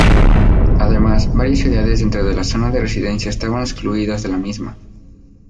Además, varias ciudades dentro de la Zona de Residencia estaban excluidas de la misma.